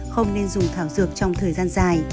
không nên dùng thảo dược trong thời gian dài